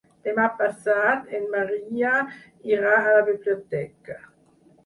Demà passat en Maria irà a la biblioteca.